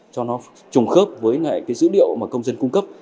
cho nó trùng khớp với dữ liệu mà công dân cung cấp